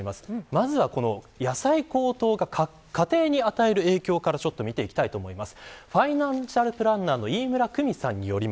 まずは、野菜高騰が家庭に与える影響から見ていきます。